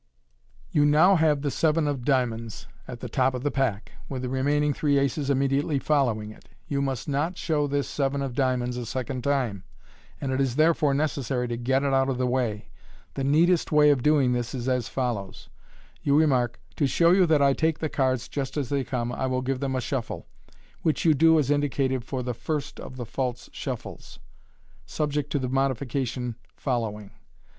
You now have the seven of diamonds at the top of the pack, with the remaining three aces immediately following it. You must not show this seven of diamonds a second time, and it is therefore necessary to get it out of the way. The neatest way of doing this is as follows :— You remark, "To show you that I take the cards just as they come, I will give them a shuffle," which you do as indicated for the first of the " false shuffles " (see page 23), subject to the modification fol lowing.